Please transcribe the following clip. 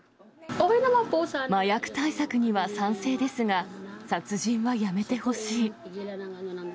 麻薬対策には賛成ですが、殺人はやめてほしい。